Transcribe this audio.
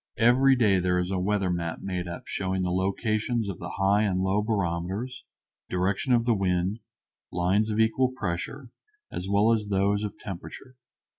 Every day there is a weather map made up showing the locations of the high and low barometers, direction of wind, lines of equal pressure, as well as those of temperature.